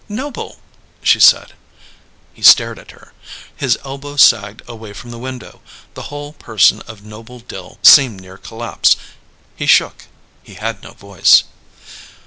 "Noble!" she said. He stared at her. His elbow sagged away from the window; the whole person of Noble Dill seemed near collapse. He shook; he had no voice.